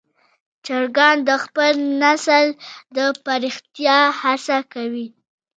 چرګان د خپل نسل د پراختیا هڅه کوي.